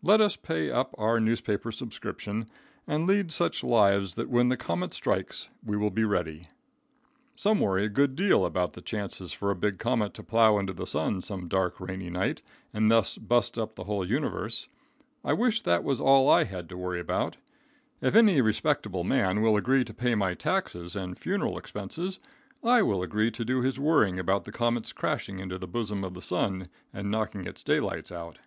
Let us pay up our newspaper subscription and lead such lives that when the comet strikes we will be ready. [Illustration: TYCHO BRAHE AT WORK.] Some worry a good deal about the chances for a big comet to plow into the sun some dark, rainy night, and thus bust up the whole universe. I wish that was all I had to worry about. If any respectable man will agree to pay my taxes and funeral expenses, I will agree to do his worrying about the comet's crashing into the bosom of the sun and knocking its daylights out.